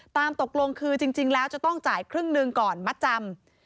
ตามตกลงคือจริงแล้วจะต้องจ่ายครึ่งหนึ่งก่อนมัดจำ